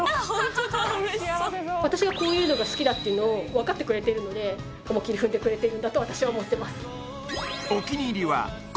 私がこういうのが好きだっていうのを分かってくれてるので思いっきり踏んでくれてるんだと私は思ってます